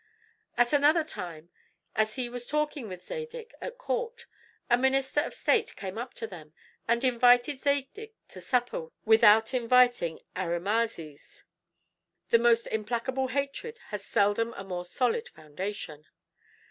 At another time, as he was talking with Zadig at court, a minister of state came up to them, and invited Zadig to supper without inviting Arimazes. The most implacable hatred has seldom a more solid foundation.